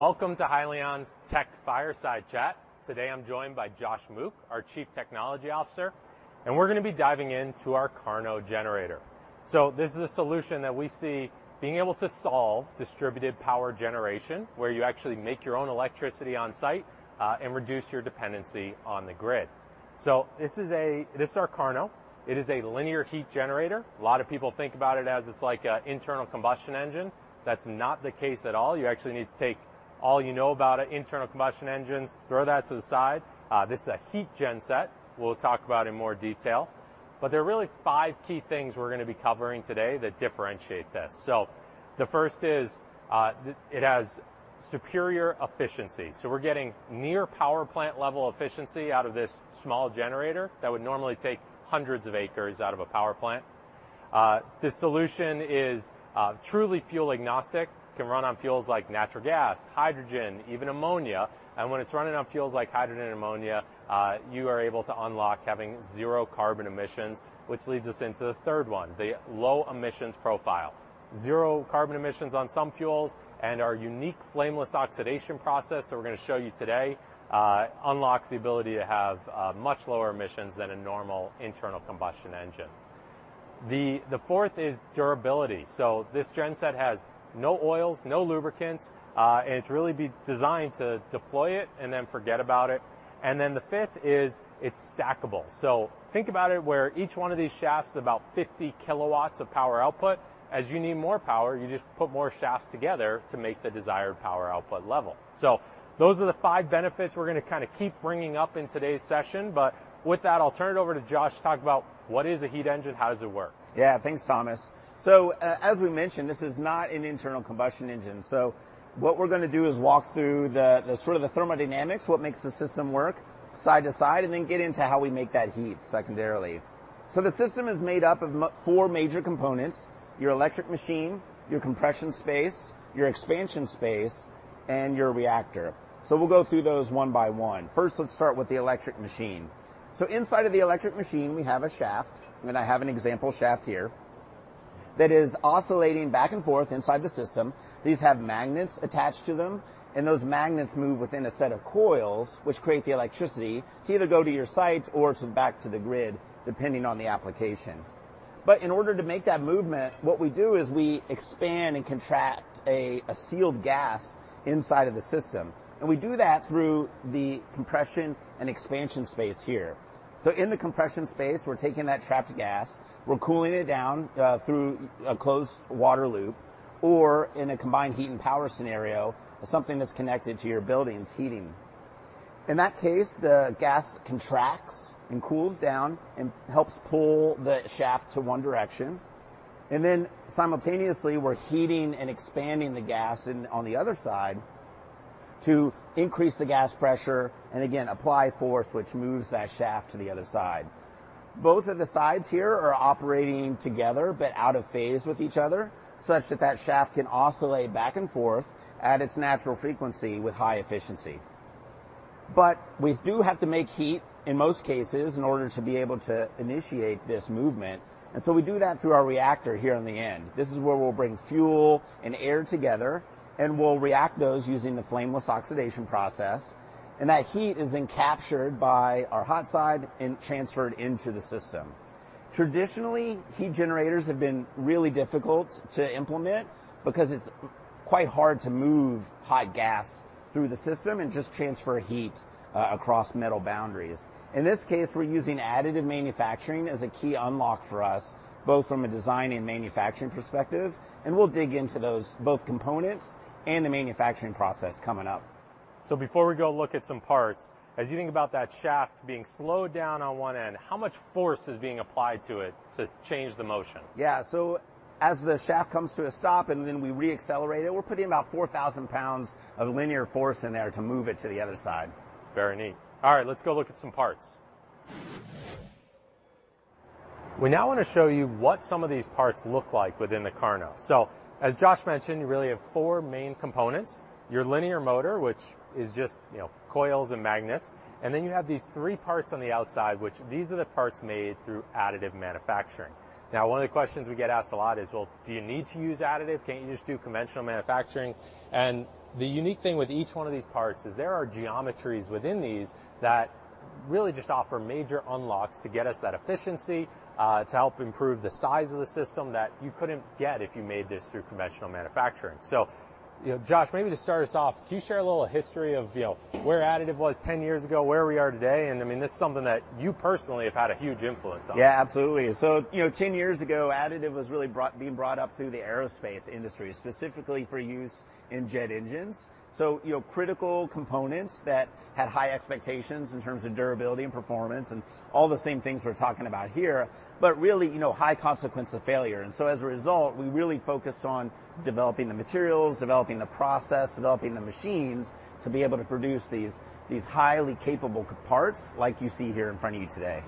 Welcome to Hyliion's Tech Fireside Chat. Today, I'm joined by Josh Mook, our Chief Technology Officer, and we're gonna be diving into our KARNO generator. So this is a solution that we see being able to solve distributed power generation, where you actually make your own electricity on-site, and reduce your dependency on the grid. So this is a, this is our KARNO. It is a linear heat generator. A lot of people think about it as it's like a internal combustion engine. That's not the case at all. You actually need to take all you know about internal combustion engines, throw that to the side. This is a heat genset. We'll talk about in more detail, but there are really five key things we're gonna be covering today that differentiate this. So the first is, it has superior efficiency, so we're getting near power plant level efficiency out of this small generator that would normally take hundreds of acres out of a power plant. This solution is truly fuel agnostic, can run on fuels like natural gas, hydrogen, even ammonia, and when it's running on fuels like hydrogen and ammonia, you are able to unlock having zero carbon emissions, which leads us into the third one, the low emissions profile. Zero carbon emissions on some fuels, and our unique flameless oxidation process that we're gonna show you today unlocks the ability to have much lower emissions than a normal internal combustion engine. The fourth is durability, so this genset has no oils, no lubricants, and it's really designed to deploy it and then forget about it. And then the 5th is, it's stackable. So think about it, where each one of these shafts is about 50 kW of power output. As you need more power, you just put more shafts together to make the desired power output level. So those are the 5 benefits we're gonna kind of keep bringing up in today's session, but with that, I'll turn it over to Josh to talk about what is a heat engine, how does it work? Yeah. Thanks, Thomas. So, as we mentioned, this is not an internal combustion engine, so what we're gonna do is walk through the sort of thermodynamics, what makes the system work side to side, and then get into how we make that heat secondarily. So the system is made up of four major components: your electric machine, your compression space, your expansion space, and your reactor. So we'll go through those one by one. First, let's start with the electric machine. So inside of the electric machine, we have a shaft, and I have an example shaft here, that is oscillating back and forth inside the system. These have magnets attached to them, and those magnets move within a set of coils, which create the electricity to either go to your site or to back to the grid, depending on the application. But in order to make that movement, what we do is we expand and contract a sealed gas inside of the system, and we do that through the compression and expansion space here. So in the compression space, we're taking that trapped gas, we're cooling it down through a closed water loop, or in a combined heat and power scenario, something that's connected to your building's heating. In that case, the gas contracts and cools down and helps pull the shaft to one direction, and then simultaneously, we're heating and expanding the gas in on the other side to increase the gas pressure, and again, apply force, which moves that shaft to the other side. Both of the sides here are operating together, but out of phase with each other, such that that shaft can oscillate back and forth at its natural frequency with high efficiency. But we do have to make heat, in most cases, in order to be able to initiate this movement, and so we do that through our reactor here on the end. This is where we'll bring fuel and air together, and we'll react those using the flameless oxidation process, and that heat is then captured by our hot side and transferred into the system. Traditionally, heat generators have been really difficult to implement because it's quite hard to move hot gas through the system and just transfer heat across metal boundaries. In this case, we're using additive manufacturing as a key unlock for us, both from a design and manufacturing perspective, and we'll dig into those, both components and the manufacturing process coming up. Before we go look at some parts, as you think about that shaft being slowed down on one end, how much force is being applied to it to change the motion? Yeah. So as the shaft comes to a stop, and then we re-accelerate it, we're putting about 4,000 pounds of linear force in there to move it to the other side. Very neat. All right, let's go look at some parts. We now wanna show you what some of these parts look like within the KARNO. So as Josh mentioned, you really have four main components: your linear motor, which is just, you know, coils and magnets, and then you have these three parts on the outside, which these are the parts made through additive manufacturing. Now, one of the questions we get asked a lot is, "Well, do you need to use additive? Can't you just do conventional manufacturing?" And the unique thing with each one of these parts is, there are geometries within these that really just offer major unlocks to get us that efficiency, to help improve the size of the system that you couldn't get if you made this through conventional manufacturing. So, you know, Josh, maybe to start us off, can you share a little history of, you know, where additive was 10 years ago, where we are today? And, I mean, this is something that you personally have had a huge influence on. Yeah, absolutely. So, you know, 10 years ago, additive was really being brought up through the aerospace industry, specifically for use in jet engines. So, you know, critical components that had high expectations in terms of durability and performance and all the same things we're talking about here, but really, you know, high consequence of failure. And so, as a result, we really focused on developing the materials, developing the process, developing the machines to be able to produce these highly capable parts like you see here in front of you today.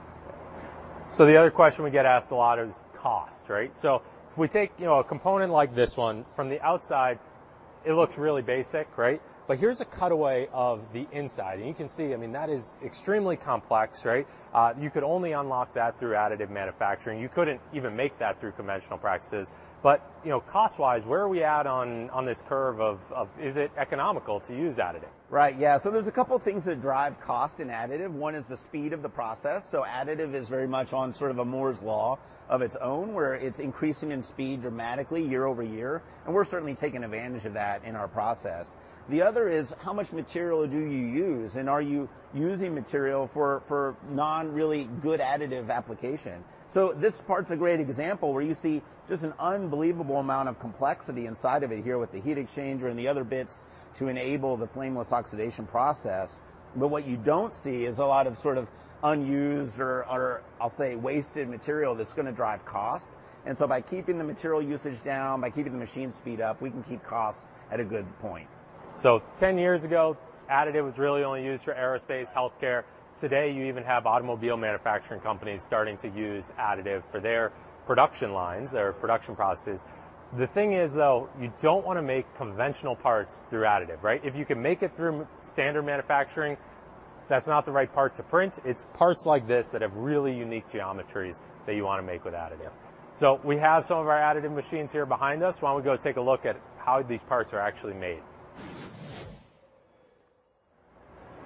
So the other question we get asked a lot is cost, right? So if we take, you know, a component like this one, from the outside, it looks really basic, right? But here's a cutaway of the inside, and you can see, I mean, that is extremely complex, right? You could only unlock that through additive manufacturing. You couldn't even make that through conventional practices. But, you know, cost-wise, where are we at on, on this curve of, of is it economical to use additive? Right, yeah. So there's a couple things that drive cost in additive. One is the speed of the process. So additive is very much on sort of a Moore's Law of its own, where it's increasing in speed dramatically year over year, and we're certainly taking advantage of that in our process. The other is, how much material do you use, and are you using material for, for non-really good additive application? So this part's a great example, where you see just an unbelievable amount of complexity inside of it here with the heat exchanger and the other bits to enable the flameless oxidation process. But what you don't see is a lot of sort of unused or, or I'll say, wasted material that's gonna drive cost. And so by keeping the material usage down, by keeping the machine speed up, we can keep cost at a good point. So 10 years ago, additive was really only used for aerospace, healthcare. Today, you even have automobile manufacturing companies starting to use additive for their production lines, or production processes. The thing is, though, you don't wanna make conventional parts through additive, right? If you can make it through standard manufacturing, that's not the right part to print. It's parts like this that have really unique geometries that you wanna make with additive. So we have some of our additive machines here behind us. Why don't we go take a look at how these parts are actually made?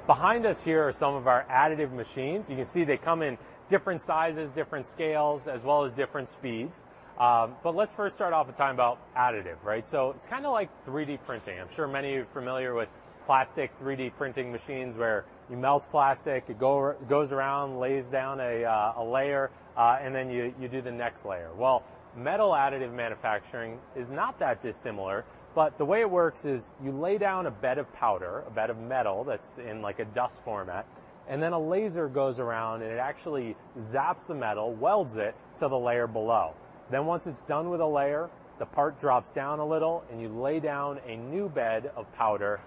Behind us here are some of our additive machines. You can see they come in different sizes, different scales, as well as different speeds. But let's first start off with talking about additive, right? So it's kind of like 3D printing. I'm sure many of you are familiar with plastic 3D printing machines where you melt plastic, it goes around, lays down a layer, and then you do the next layer. Well, metal additive manufacturing is not that dissimilar, but the way it works is you lay down a bed of powder, a bed of metal that's in, like, a dust format, and then a laser goes around, and it actually zaps the metal, welds it to the layer below. Then, once it's done with a layer, the part drops down a little, and you lay down a new bed of powder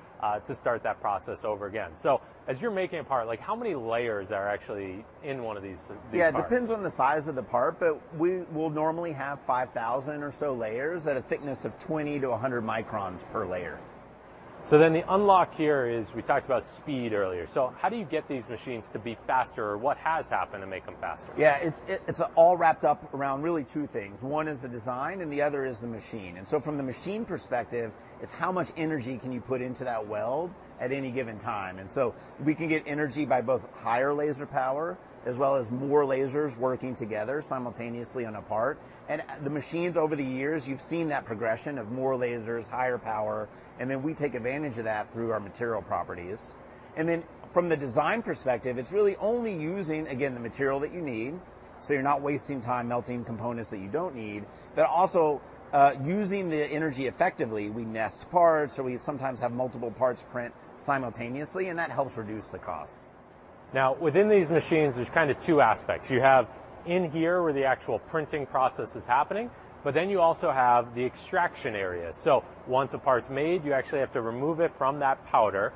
to start that process over again. So as you're making a part, like, how many layers are actually in one of these parts? Yeah, it depends on the size of the part, but we will normally have 5,000 or so layers at a thickness of 20-100 microns per layer. So then the unlock here is, we talked about speed earlier, so how do you get these machines to be faster, or what has happened to make them faster? Yeah, it's all wrapped up around really two things. One is the design, and the other is the machine. And so from the machine perspective, it's how much energy can you put into that weld at any given time? And so we can get energy by both higher laser power, as well as more lasers working together simultaneously on a part. And, the machines over the years, you've seen that progression of more lasers, higher power, and then we take advantage of that through our material properties. And then from the design perspective, it's really only using, again, the material that you need, so you're not wasting time melting components that you don't need. But also, using the energy effectively, we nest parts, or we sometimes have multiple parts print simultaneously, and that helps reduce the cost. Now, within these machines, there's kind of two aspects. You have in here, where the actual printing process is happening, but then you also have the extraction area. So once a part's made, you actually have to remove it from that powder,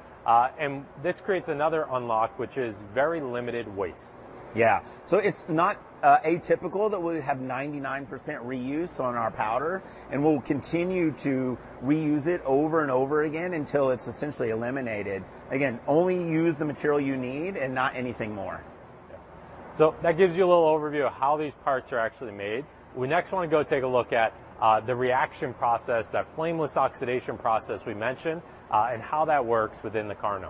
and this creates another unlock, which is very limited waste. Yeah. So it's not atypical that we have 99% reuse on our powder, and we'll continue to reuse it over and over again until it's essentially eliminated. Again, only use the material you need and not anything more. So that gives you a little overview of how these parts are actually made. We next want to go take a look at the reaction process, that flameless oxidation process we mentioned, and how that works within the KARNO.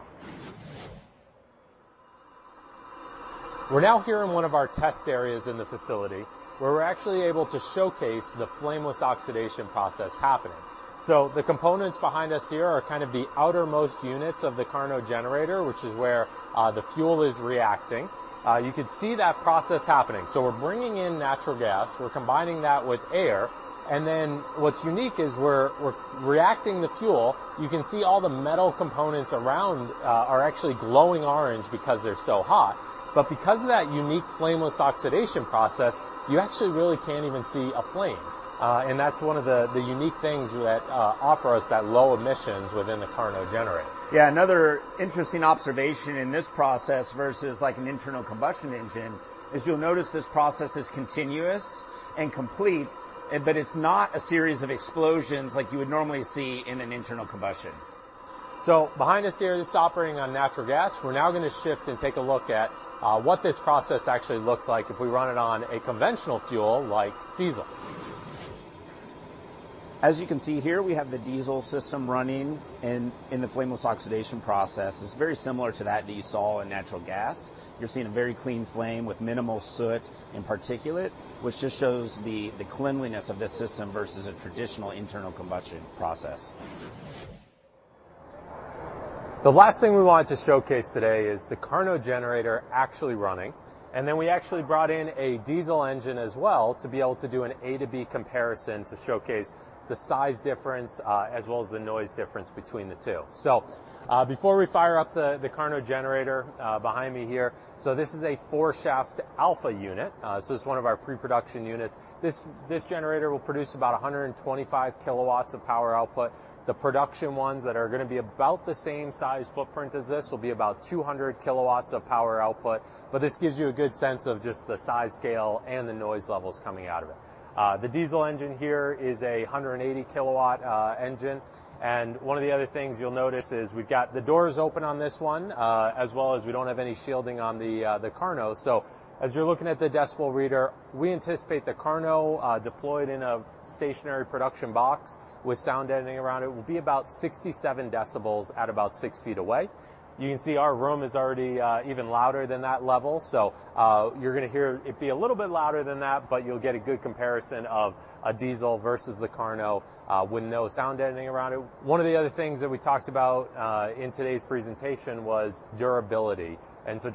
We're now here in one of our test areas in the facility, where we're actually able to showcase the flameless oxidation process happening. So the components behind us here are kind of the outermost units of the KARNO generator, which is where the fuel is reacting. You can see that process happening. So we're bringing in natural gas. We're combining that with air, and then what's unique is we're reacting the fuel. You can see all the metal components around are actually glowing orange because they're so hot. But because of that unique flameless oxidation process, you actually really can't even see a flame, and that's one of the unique things that offer us that low emissions within the KARNO generator. Yeah, another interesting observation in this process versus, like, an internal combustion engine, is you'll notice this process is continuous and complete, but it's not a series of explosions like you would normally see in an internal combustion. Behind us here, this is operating on natural gas. We're now gonna shift and take a look at what this process actually looks like if we run it on a conventional fuel like diesel. As you can see here, we have the diesel system running in the flameless oxidation process. It's very similar to that you saw in natural gas. You're seeing a very clean flame with minimal soot and particulate, which just shows the cleanliness of this system versus a traditional internal combustion process. The last thing we wanted to showcase today is the KARNO generator actually running, and then we actually brought in a diesel engine as well, to be able to do an A to B comparison to showcase the size difference, as well as the noise difference between the two. So, before we fire up the KARNO generator behind me here, so this is a four-shaft alpha unit. This is one of our pre-production units. This generator will produce about 125 kilowatts of power output. The production ones that are gonna be about the same size footprint as this will be about 200 kilowatts of power output. But this gives you a good sense of just the size, scale, and the noise levels coming out of it. The diesel engine here is a 180-kilowatt engine, and one of the other things you'll notice is we've got the doors open on this one, as well as we don't have any shielding on the KARNO. So as you're looking at the decibel reader, we anticipate the KARNO deployed in a stationary production box with sound deadening around it, will be about 67 decibels at about 6 feet away. You can see our room is already even louder than that level, so you're gonna hear it be a little bit louder than that, but you'll get a good comparison of a diesel versus the KARNO with no sound deadening around it. One of the other things that we talked about in today's presentation was durability.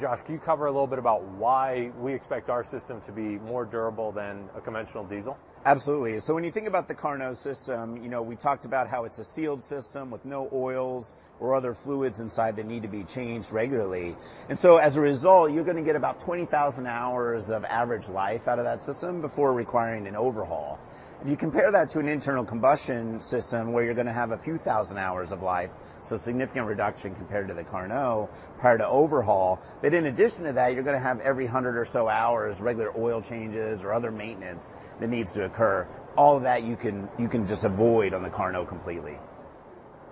Josh, can you cover a little bit about why we expect our system to be more durable than a conventional diesel? Absolutely. So when you think about the KARNO system, you know, we talked about how it's a sealed system with no oils or other fluids inside that need to be changed regularly. And so, as a result, you're gonna get about 20,000 hours of average life out of that system before requiring an overhaul. If you compare that to an internal combustion system, where you're gonna have a few thousand hours of life, so a significant reduction compared to the KARNO prior to overhaul. But in addition to that, you're gonna have every 100 or so hours, regular oil changes or other maintenance that needs to occur. All of that you can, you can just avoid on the KARNO completely.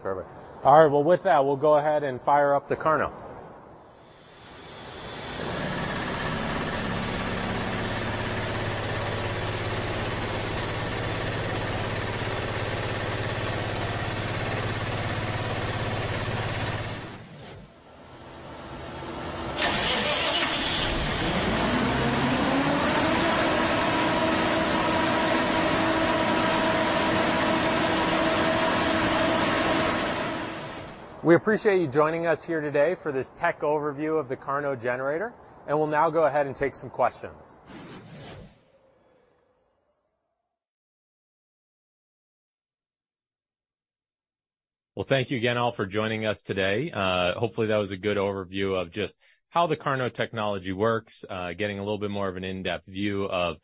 Perfect. All right, well, with that, we'll go ahead and fire up the KARNO. We appreciate you joining us here today for this tech overview of the KARNO generator, and we'll now go ahead and take some questions. Well, thank you again, all, for joining us today. Hopefully, that was a good overview of just how the KARNO technology works, getting a little bit more of an in-depth view of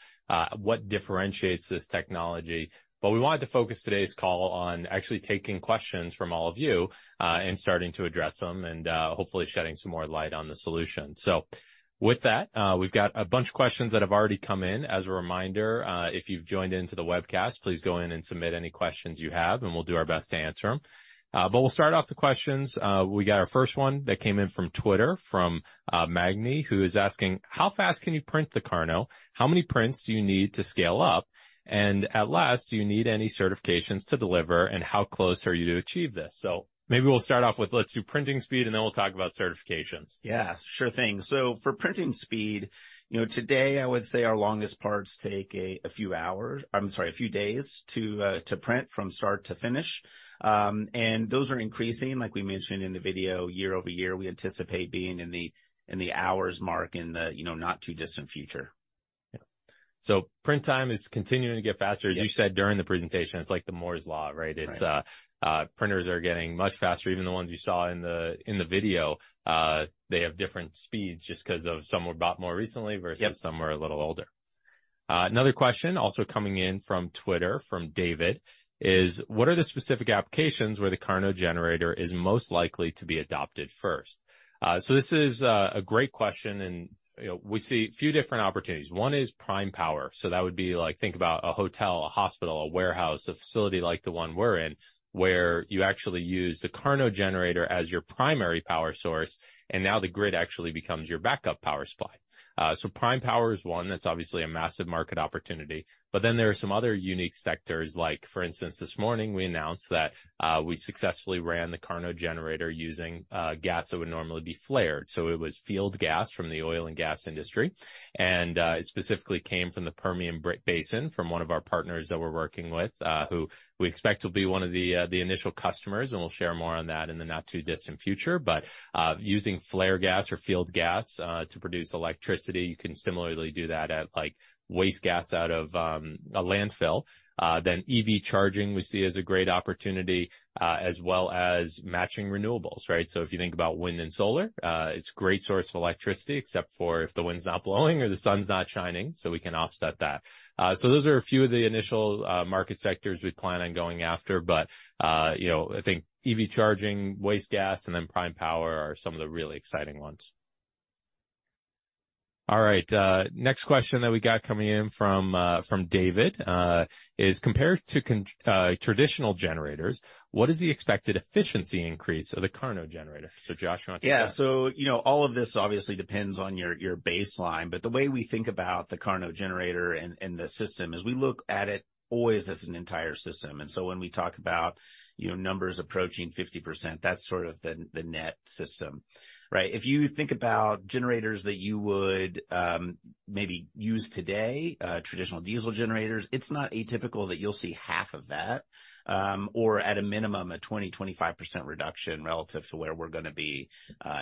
what differentiates this technology. But we wanted to focus today's call on actually taking questions from all of you, and starting to address them and hopefully shedding some more light on the solution. So with that, we've got a bunch of questions that have already come in. As a reminder, if you've joined into the webcast, please go in and submit any questions you have, and we'll do our best to answer them. But we'll start off the questions. We got our first one that came in from Twitter, from Magni, who is asking: How fast can you print the KARNO? How many prints do you need to scale up? And at last, do you need any certifications to deliver, and how close are you to achieve this? So maybe we'll start off with, let's do printing speed, and then we'll talk about certifications. Yes, sure thing. So for printing speed, you know, today, I would say our longest parts take a few hours. I'm sorry, a few days to print from start to finish. And those are increasing, like we mentioned in the video, year over year. We anticipate being in the hours mark, you know, in the not too distant future. Yeah. So print time is continuing to get faster Yep. As you said during the presentation, it's like the Moore's Law, right? Right. Printers are getting much faster. Even the ones you saw in the video, they have different speeds just 'cause of some were bought more recently versus Yep some were a little older. Another question also coming in from Twitter, from David, is: What are the specific applications where the KARNO generator is most likely to be adopted first? So this is a great question, and, you know, we see a few different opportunities. One is prime power, so that would be like, think about a hotel, a hospital, a warehouse, a facility like the one we're in, where you actually use the KARNO generator as your primary power source, and now the grid actually becomes your backup power supply. So prime power is one that's obviously a massive market opportunity. But then there are some other unique sectors, like, for instance, this morning we announced that we successfully ran the KARNO generator using gas that would normally be flared. So it was field gas from the oil and gas industry, and it specifically came from the Permian Basin, from one of our partners that we're working with, who we expect will be one of the initial customers, and we'll share more on that in the not-too-distant future. But using flare gas or field gas to produce electricity, you can similarly do that at, like, waste gas out of a landfill. Then EV charging we see as a great opportunity, as well as matching renewables, right? So if you think about wind and solar, it's a great source of electricity, except for if the wind's not blowing or the sun's not shining, so we can offset that. So those are a few of the initial market sectors we plan on going after, but you know, I think EV charging, waste gas, and then prime power are some of the really exciting ones. All right, next question that we got coming in from David is: Compared to conventional, traditional generators, what is the expected efficiency increase of the KARNO generator? So, Josh, you want to take that? Yeah. So, you know, all of this obviously depends on your baseline, but the way we think about the KARNO generator and the system is we look at it always as an entire system. And so when we talk about, you know, numbers approaching 50%, that's sort of the net system, right? If you think about generators that you would maybe use today, traditional diesel generators, it's not atypical that you'll see half of that, or at a minimum, a 20-25% reduction relative to where we're gonna be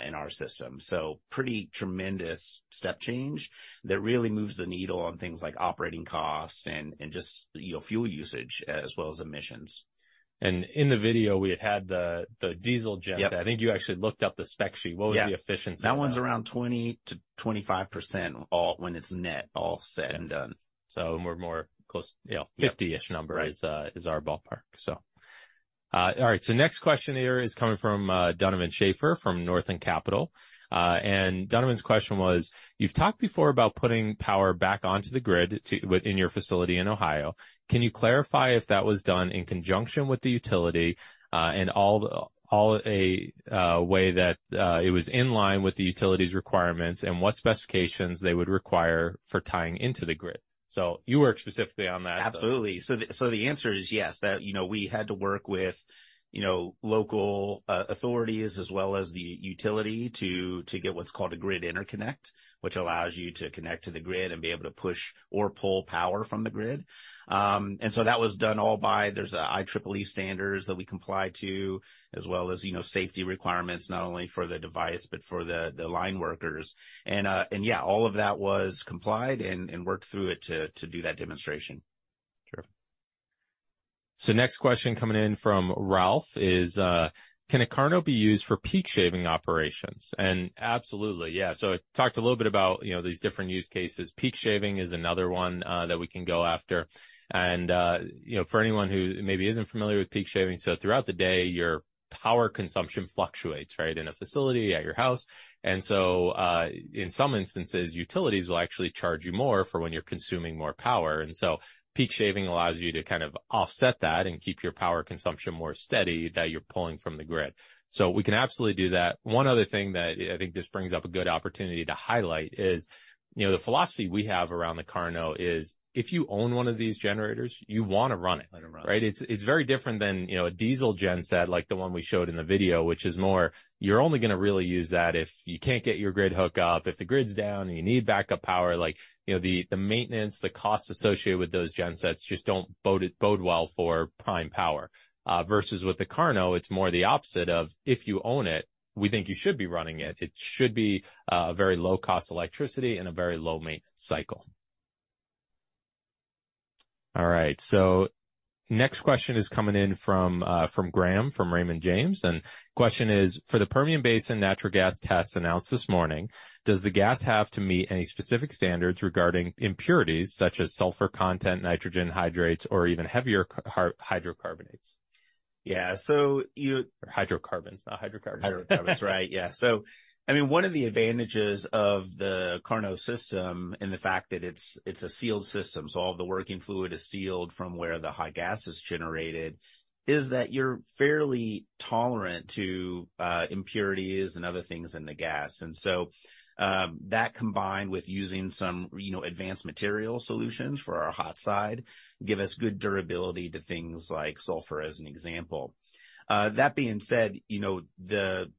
in our system. So pretty tremendous step change that really moves the needle on things like operating costs and just, you know, fuel usage as well as emissions. In the video, we had the diesel gen. Yep. I think you actually looked up the spec sheet. Yeah. What was the efficiency? That one's around 20-25%, all- when it's net, all said and done. So we're more close. You know, 50-ish number- Right is our ballpark. So, all right, so next question here is coming from Donovan Schafer from Northland Capital. And Donovan's question was: You've talked before about putting power back onto the grid to within your facility in Ohio. Can you clarify if that was done in conjunction with the utility, and all the way that it was in line with the utility's requirements, and what specifications they would require for tying into the grid? So you worked specifically on that. Absolutely. So the answer is yes, that you know, we had to work with you know, local authorities as well as the utility to get what's called a grid interconnect, which allows you to connect to the grid and be able to push or pull power from the grid. And so that was done all by. There's IEEE standards that we comply to, as well as you know, safety requirements, not only for the device but for the line workers. And all of that was complied and worked through it to do that demonstration. Sure. So next question coming in from Ralph is: Can a KARNO be used for peak shaving operations? And absolutely, yeah. So I talked a little bit about, you know, these different use cases. Peak shaving is another one that we can go after. And, you know, for anyone who maybe isn't familiar with peak shaving, so throughout the day, your power consumption fluctuates, right, in a facility, at your house. And so, in some instances, utilities will actually charge you more for when you're consuming more power. And so peak shaving allows you to kind of offset that and keep your power consumption more steady that you're pulling from the grid. So we can absolutely do that. One other thing that I think this brings up a good opportunity to highlight is, you know, the philosophy we have around the KARNO is, if you own one of these generators, you want to run it- Let them run. Right? It's very different than, you know, a diesel genset, like the one we showed in the video, which is more, you're only gonna really use that if you can't get your grid hookup, if the grid's down and you need backup power, like, you know, the maintenance, the costs associated with those gensets just don't bode well for prime power. Versus with the KARNO, it's more the opposite of, if you own it, we think you should be running it. It should be a very low-cost electricity and a very low maintenance cycle. All right, so next question is coming in from from Graham, from Raymond James, and question is: For the Permian Basin natural gas tests announced this morning, does the gas have to meet any specific standards regarding impurities such as sulfur content, nitrogen hydrates, or even heavier hydrocarbons? Yeah, so you- Hydrocarbons, not hydrocarbon. Hydrocarbons, right. Yeah. So, I mean, one of the advantages of the KARNO system, and the fact that it's a sealed system, so all the working fluid is sealed from where the high gas is generated, is that you're fairly tolerant to impurities and other things in the gas. And so, that, combined with using some, you know, advanced material solutions for our hot side, give us good durability to things like sulfur, as an example. That being said, you know, the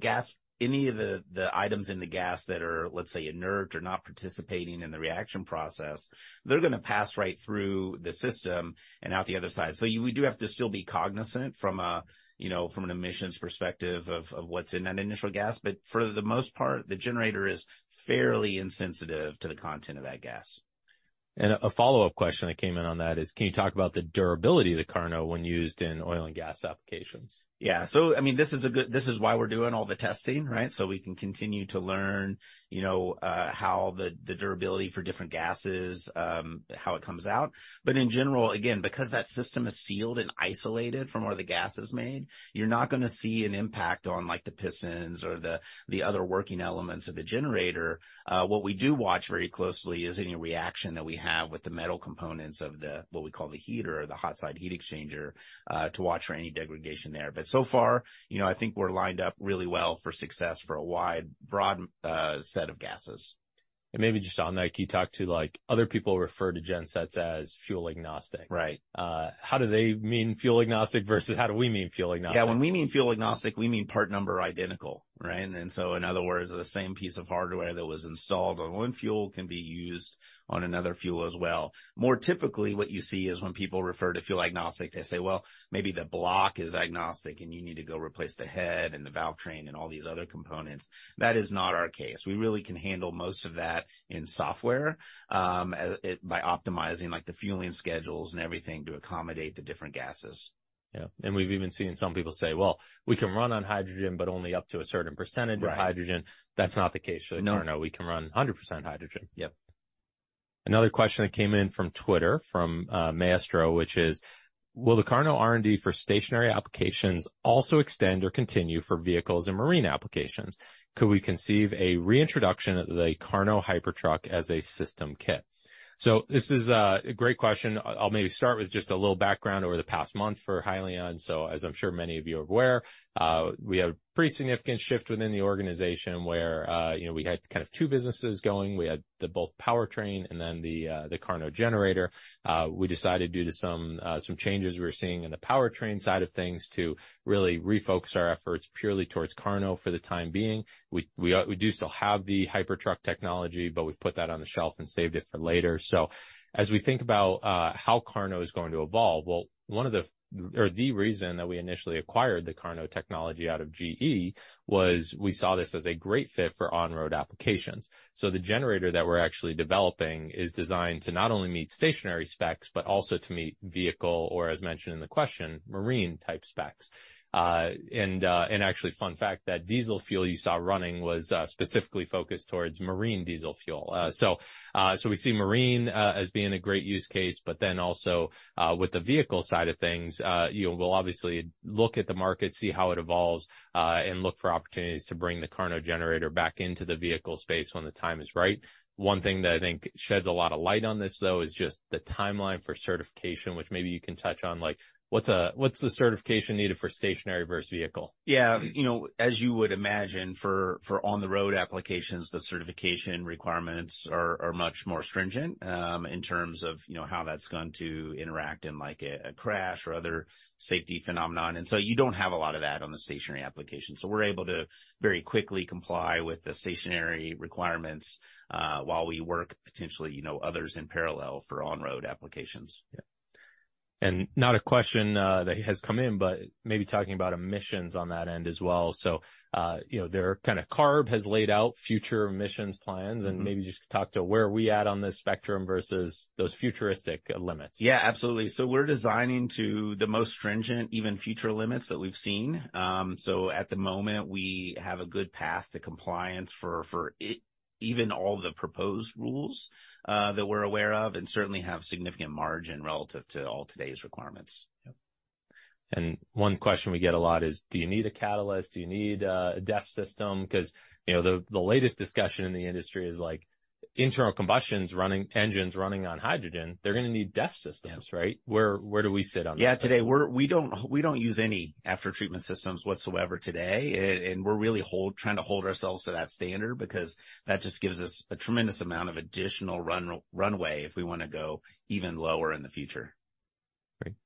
gas, any of the items in the gas that are, let's say, inert or not participating in the reaction process, they're gonna pass right through the system and out the other side. We do have to still be cognizant from a, you know, from an emissions perspective of what's in that initial gas, but for the most part, the generator is fairly insensitive to the content of that gas. A follow-up question that came in on that is: Can you talk about the durability of the KARNO when used in oil and gas applications? Yeah. So I mean, this is why we're doing all the testing, right? So we can continue to learn, you know, how the durability for different gases, how it comes out. But in general, again, because that system is sealed and isolated from where the gas is made, you're not gonna see an impact on, like, the pistons or the other working elements of the generator. What we do watch very closely is any reaction that we have with the metal components of what we call the heater or the hot side heat exchanger, to watch for any degradation there. But so far, you know, I think we're lined up really well for success for a wide, broad set of gases. Maybe just on that, can you talk to, like other people refer to gensets as fuel agnostic? Right. How do they mean Fuel Agnostic versus how do we mean Fuel Agnostic? Yeah, when we mean fuel agnostic, we mean part number identical, right? And so in other words, the same piece of hardware that was installed on one fuel can be used on another fuel as well. More typically, what you see is when people refer to fuel agnostic, they say, "Well, maybe the block is agnostic, and you need to go replace the head and the valve train and all these other components." That is not our case. We really can handle most of that in software, by optimizing, like, the fueling schedules and everything to accommodate the different gases. Yeah, and we've even seen some people say: Well, we can run on hydrogen, but only up to a certain percentage- Right of hydrogen. That's not the case for the KARNO. No. We can run 100% hydrogen. Yep. Another question that came in from Twitter, from Maestro, which is: Will the KARNO R&D for stationary applications also extend or continue for vehicles and marine applications? Could we conceive a reintroduction of the KARNO Hypertruck as a system kit? So this is a great question. I'll maybe start with just a little background over the past month for Hyliion. So as I'm sure many of you are aware, we had a pretty significant shift within the organization where, you know, we had kind of two businesses going. We had the both powertrain and then the KARNO generator. We decided, due to some changes we were seeing in the powertrain side of things, to really refocus our efforts purely towards KARNO for the time being. We do still have the Hypertruck technology, but we've put that on the shelf and saved it for later. So as we think about how KARNO is going to evolve, well, one of the, or the reason that we initially acquired the KARNO technology out of GE was we saw this as a great fit for on-road applications. So the generator that we're actually developing is designed to not only meet stationary specs, but also to meet vehicle, or as mentioned in the question, marine-type specs. And actually, fun fact, that diesel fuel you saw running was specifically focused towards marine diesel fuel. So, so we see marine as being a great use case, but then also, with the vehicle side of things, you know, we'll obviously look at the market, see how it evolves, and look for opportunities to bring the KARNO generator back into the vehicle space when the time is right. One thing that I think sheds a lot of light on this, though, is just the timeline for certification, which maybe you can touch on, like, what's, what's the certification needed for stationary versus vehicle? Yeah. You know, as you would imagine, for on-the-road applications, the certification requirements are much more stringent in terms of, you know, how that's going to interact in, like, a crash or other safety phenomenon. And so you don't have a lot of that on the stationary application. So we're able to very quickly comply with the stationary requirements while we work potentially, you know, others in parallel for on-road applications. Yeah. And not a question that has come in, but maybe talking about emissions on that end as well. So, you know, there are kinda CARB has laid out future emissions plans. Mm-hmm. Maybe just talk to where are we at on this spectrum versus those futuristic limits? Yeah, absolutely. So we're designing to the most stringent, even future limits that we've seen. So at the moment, we have a good path to compliance for even all the proposed rules that we're aware of, and certainly have significant margin relative to all today's requirements. Yep. And one question we get a lot is, do you need a catalyst? Do you need a DEF system? Because, you know, the latest discussion in the industry is, like, internal combustion's running, engines running on hydrogen, they're gonna need DEF systems, right? Yeah. Where do we sit on that? Yeah, today we don't, we don't use any after-treatment systems whatsoever today. And we're really trying to hold ourselves to that standard, because that just gives us a tremendous amount of additional runway if we wanna go even lower in the future. Great.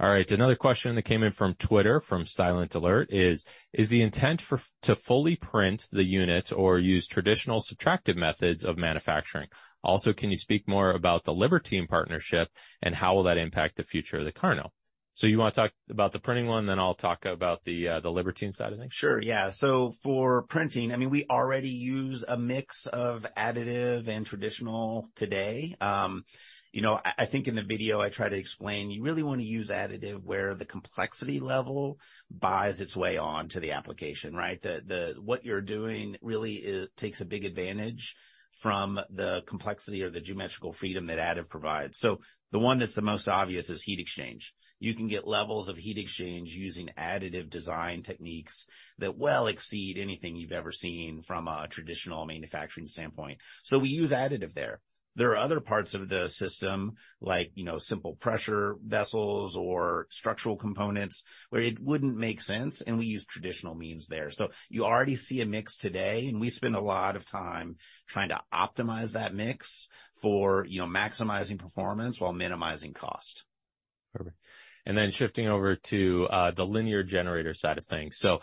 All right, another question that came in from Twitter, from Silent Alert, is: Is the intent for, to fully print the units or use traditional subtractive methods of manufacturing? Also, can you speak more about the Libertine partnership, and how will that impact the future of the KARNO? So you wanna talk about the printing one, then I'll talk about the Libertine side of things? Sure, yeah. So for printing, I mean, we already use a mix of additive and traditional today. You know, I think in the video I try to explain, you really wanna use additive where the complexity level buys its way onto the application, right? What you're doing really is takes a big advantage from the complexity or the geometrical freedom that additive provides. So the one that's the most obvious is heat exchange. You can get levels of heat exchange using additive design techniques that well exceed anything you've ever seen from a traditional manufacturing standpoint, so we use additive there. There are other parts of the system like, you know, simple pressure vessels or structural components where it wouldn't make sense, and we use traditional means there. You already see a mix today, and we spend a lot of time trying to optimize that mix for, you know, maximizing performance while minimizing cost. Perfect. And then shifting over to the linear generator side of things. So,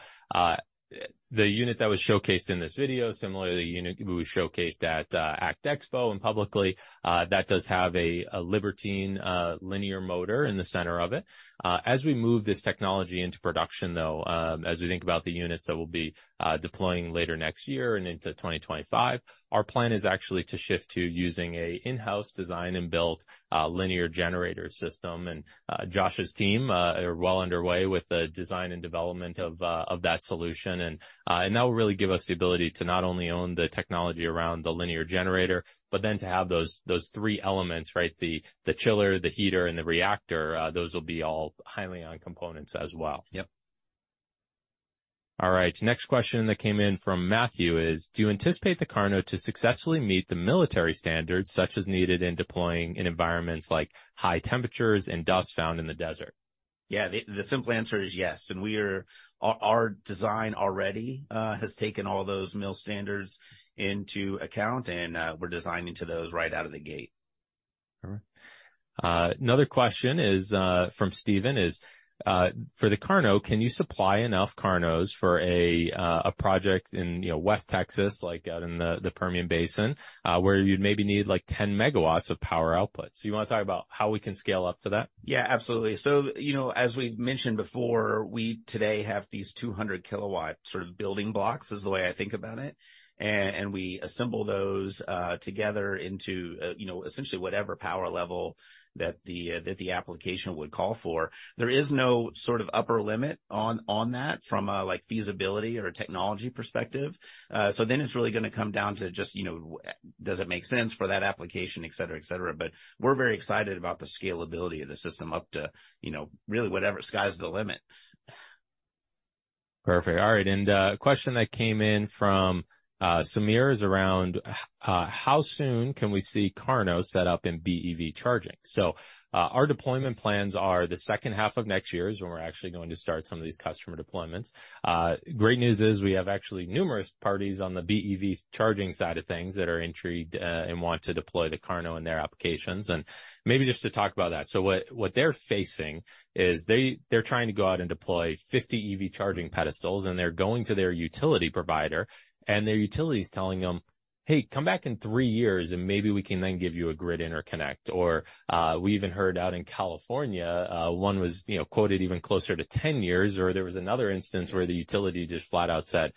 the unit that was showcased in this video, similarly, the unit we showcased at ACT Expo and publicly, that does have a Libertine linear motor in the center of it. As we move this technology into production, though, as we think about the units that we'll be deploying later next year and into 2025, our plan is actually to shift to using an in-house design and built linear generator system. And Josh's team are well underway with the design and development of that solution. And that will really give us the ability to not only own the technology around the linear generator, but then to have those three elements, right? The chiller, the heater, and the reactor, those will be all Hyliion components as well. Yep. All right, next question that came in from Matthew is: Do you anticipate the KARNO to successfully meet the military standards, such as needed in deploying in environments like high temperatures and dust found in the desert? Yeah, the simple answer is yes, and we are, our design already has taken all those MIL standards into account, and we're designing to those right out of the gate. All right. Another question is from Steven: For the KARNO, can you supply enough KARNOs for a project in, you know, West Texas, like out in the Permian Basin, where you'd maybe need, like, 10 megawatts of power output? So you wanna talk about how we can scale up to that? Yeah, absolutely. So, you know, as we've mentioned before, we today have these 200-kilowatt sort of building blocks, is the way I think about it, and we assemble those together into, you know, essentially whatever power level that the application would call for. There is no sort of upper limit on that, from a, like, feasibility or a technology perspective. So then it's really gonna come down to just, you know, does it make sense for that application, et cetera, et cetera. But we're very excited about the scalability of the system up to, you know, really, whatever, sky's the limit. Perfect. All right, and a question that came in from Samir is around how soon can we see KARNO set up in BEV charging? So, our deployment plans are the H2 of next year is when we're actually going to start some of these customer deployments. Great news is we have actually numerous parties on the BEV charging side of things that are intrigued and want to deploy the KARNO in their applications, and maybe just to talk about that. So what they're facing is they're trying to go out and deploy 50 EV charging pedestals, and they're going to their utility provider, and their utility is telling them, "Hey, come back in 3 years, and maybe we can then give you a grid interconnect." Or, we even heard out in California, one was, you know, quoted even closer to 10 years, or there was another instance where the utility just flat out said,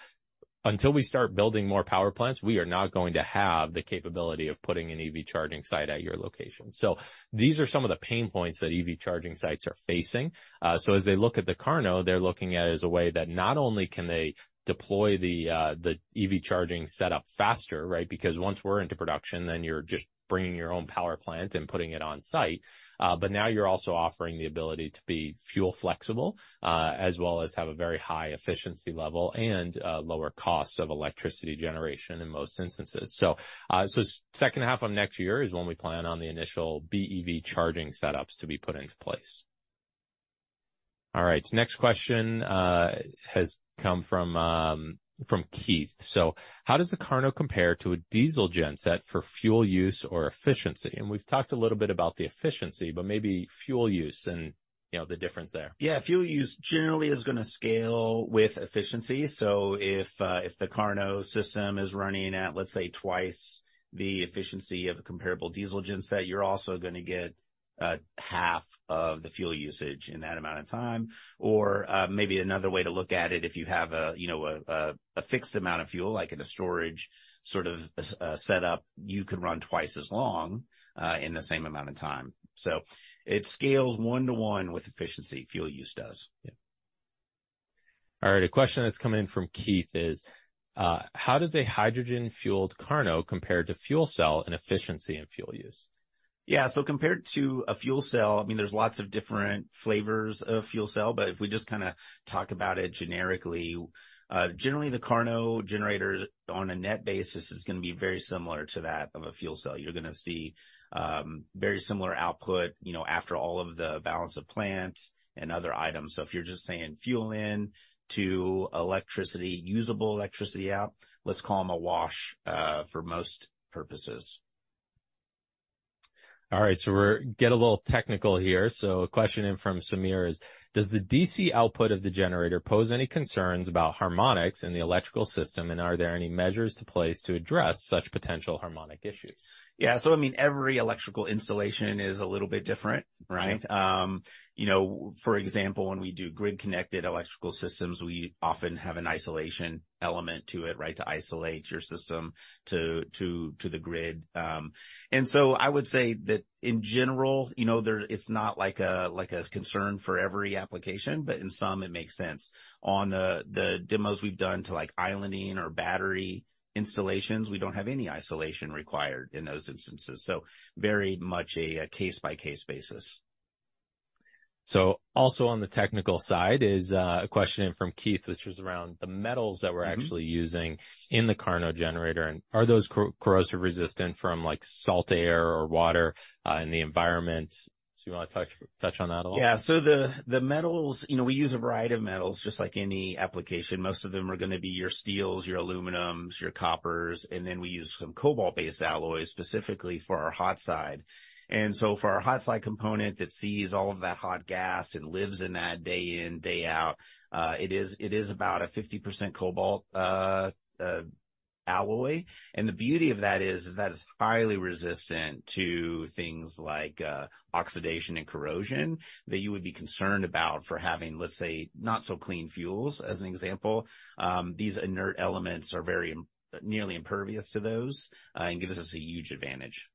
"Until we start building more power plants, we are not going to have the capability of putting an EV charging site at your location." So these are some of the pain points that EV charging sites are facing. So as they look at the KARNO, they're looking at it as a way that not only can they deploy the EV charging setup faster, right? Because once we're into production, then you're just bringing your own power plant and putting it on site. But now you're also offering the ability to be fuel flexible, as well as have a very high efficiency level and lower costs of electricity generation in most instances. So, H2 of next year is when we plan on the initial BEV charging setups to be put into place. All right, next question has come from from Keith: So how does the KARNO compare to a diesel genset for fuel use or efficiency? And we've talked a little bit about the efficiency, but maybe fuel use and, you know, the difference there. Yeah, fuel use generally is gonna scale with efficiency. So if the KARNO system is running at, let's say, twice the efficiency of a comparable diesel genset, you're also gonna get half of the fuel usage in that amount of time. Or maybe another way to look at it, if you have a, you know, fixed amount of fuel, like in a storage sort of setup, you can run twice as long in the same amount of time. So it scales one-to-one with efficiency, fuel use does. Yeah. All right, a question that's come in from Keith is: How does a hydrogen-fueled KARNO compare to fuel cell in efficiency and fuel use? Yeah, so compared to a fuel cell, I mean, there's lots of different flavors of fuel cell, but if we just kinda talk about it generically, generally, the KARNO generator, on a net basis, is gonna be very similar to that of a fuel cell. You're gonna see, very similar output, you know, after all of the balance of plant and other items. So if you're just saying fuel in to electricity, usable electricity out, let's call them a wash, for most purposes. All right, so we're getting a little technical here. A question in from Samir is: Does the DC output of the generator pose any concerns about harmonics in the electrical system, and are there any measures to place to address such potential harmonic issues? Yeah, so I mean, every electrical installation is a little bit different, right? Yeah. You know, for example, when we do grid-connected electrical systems, we often have an isolation element to it, right? To isolate your system to the grid. And so I would say that in general, you know, it's not like a concern for every application, but in some it makes sense. On the demos we've done, like, islanding or battery installations, we don't have any isolation required in those instances, so very much a case-by-case basis. Also on the technical side is a question in from Keith, which was around the metals Mm-hmm that we're actually using in the KARNO generator, and are those corrosion resistant from, like, salt air or water in the environment? So you wanna touch on that a little? Yeah. So the metals, you know, we use a variety of metals, just like any application. Most of them are gonna be your steels, your aluminums, your coppers, and then we use some cobalt-based alloys, specifically for our hot side. And so for our hot side component that sees all of that hot gas and lives in that day in, day out, it is about a 50% cobalt alloy. And the beauty of that is that it's highly resistant to things like oxidation and corrosion that you would be concerned about for having, let's say, not so clean fuels, as an example. These inert elements are very nearly impervious to those and gives us a huge advantage.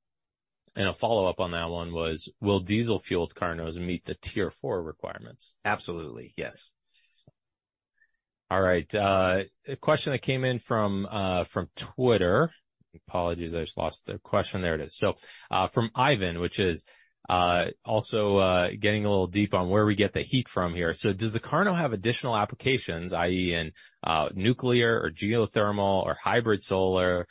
A follow-up on that one was: Will diesel-fueled KARNOs meet the Tier 4 requirements? Absolutely, yes. All right, a question that came in from Twitter. Apologies, I just lost the question. There it is. So, from Ivan, which is also getting a little deep on where we get the heat from here. So does the KARNO have additional applications, i.e., in nuclear or geothermal or hybrid solar,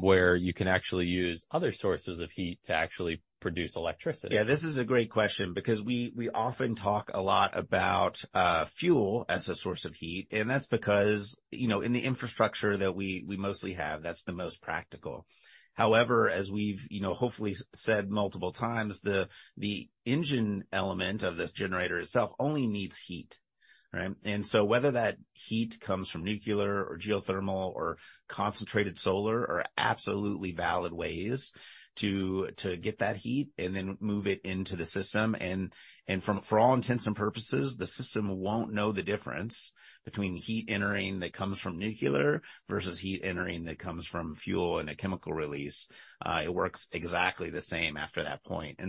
where you can actually use other sources of heat to actually produce electricity? Yeah, this is a great question because we often talk a lot about fuel as a source of heat, and that's because, you know, in the infrastructure that we mostly have, that's the most practical. However, as we've, you know, hopefully said multiple times, the engine element of this generator itself only needs heat, right? And so whether that heat comes from nuclear or geothermal or concentrated solar are absolutely valid ways to get that heat and then move it into the system. And for all intents and purposes, the system won't know the difference between heat entering that comes from nuclear versus heat entering that comes from fuel and a chemical release. It works exactly the same after that point.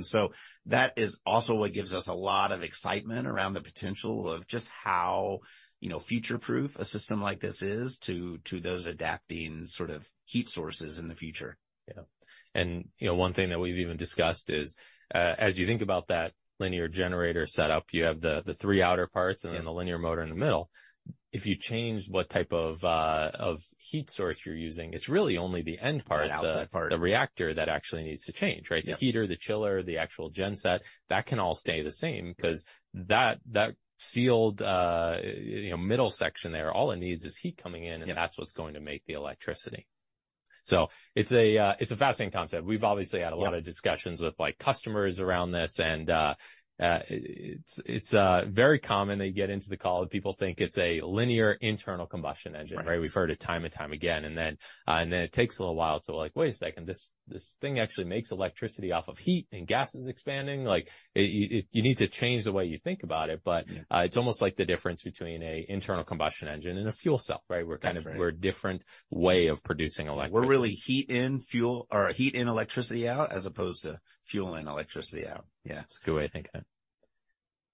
That is also what gives us a lot of excitement around the potential of just how, you know, future-proof a system like this is to those adapting sort of heat sources in the future. Yeah. You know, one thing that we've even discussed is, as you think about that linear generator setup, you have the three outer parts Yeah and then the linear motor in the middle. If you change what type of, of heat source you're using, it's really only the end part- The output part. the reactor that actually needs to change, right? Yeah. The heater, the chiller, the actual genset, that can all stay the same 'cause that, that sealed, you know, middle section there, all it needs is heat coming in- Yeah And that's what's going to make the electricity. So it's a, it's a fascinating concept. We've obviously had a lot of discussions with, like, customers around this, and it's, it's very common they get into the call, and people think it's a linear internal combustion engine, right? Right. We've heard it time and time again, and then it takes a little while to like, "Wait a second, this thing actually makes electricity off of heat, and gas is expanding?" Like, you need to change the way you think about it, but Yeah it's almost like the difference between a internal combustion engine and a fuel cell, right? Different. We're kind of a different way of producing electricity. We're really heat in, fuel or heat in, electricity out, as opposed to fuel in, electricity out. Yeah. It's a good way of thinking.